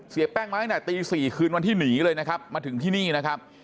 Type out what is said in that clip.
เสียแป้งมาตั้งแต่ตี๔คืนวันที่หนีเลยนะครับมาถึงที่นี่นะครับ